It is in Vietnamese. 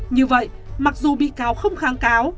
như vậy mặc dù bị cáo không kháng cáo